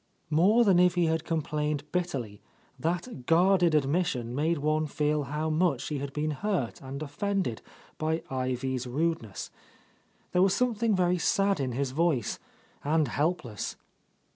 '' More than if he had complained bitterly, that guarded admission made one feel how much he had been hurt and offended by Ivy's rudeness. There was something very sad in his voice, and helpless.